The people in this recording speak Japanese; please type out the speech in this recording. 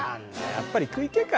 やっぱり食い気か。